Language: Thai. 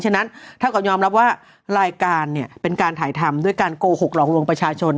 ฉะนั้นเท่ากับยอมรับว่ารายการเนี่ยเป็นการถ่ายทำด้วยการโกหกหลอกลวงประชาชน